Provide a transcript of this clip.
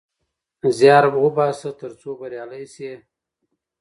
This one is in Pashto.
زيار وباسه ترڅو بريالی سې